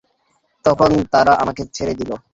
তখন তারা আমাকে ছেড়ে দিল।